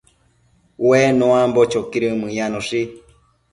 Ue nuambo choquidën mëyanoshi